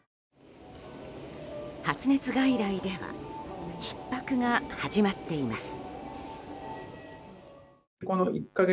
発熱外来ではひっ迫が始まっています。